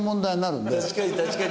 確かに確かに。